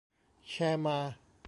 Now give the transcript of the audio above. แชร์มา